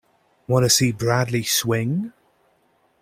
Wanna see Bradley swing?